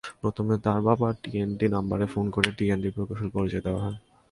প্রথমে তাঁর বাসার টিঅ্যান্ডটি নম্বরে ফোন করে টিঅ্যান্ডটির প্রকৌশলী পরিচয় দেওয়া হয়।